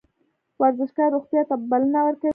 ورزشکار روغتیا ته بلنه ورکوي